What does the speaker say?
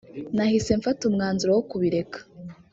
nahise mfata umwanzuro wo kubireka